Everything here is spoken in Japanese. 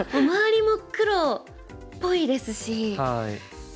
周りも黒っぽいですし。